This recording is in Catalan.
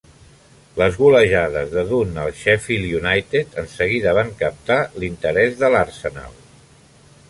Les golejades de Dunne al Sheffield United enseguida van captar l"interès de l"Arsenal.